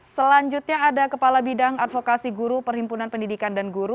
selanjutnya ada kepala bidang advokasi guru perhimpunan pendidikan dan guru